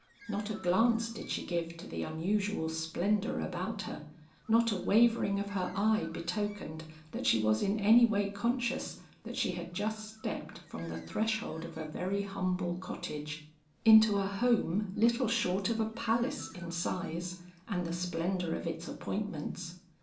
Not a glance did she give to the unusual splendor about her, not a wavering of her eye betokened that she was in any way conscious that she had just stepped from the threshold of a very humble cottage, into a home little short of a palace in size and the splendor of its appointments.